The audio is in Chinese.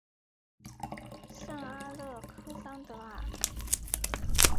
圣阿勒克桑德尔。